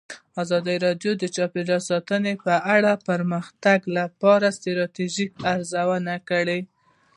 ازادي راډیو د چاپیریال ساتنه په اړه د پرمختګ لپاره د ستراتیژۍ ارزونه کړې.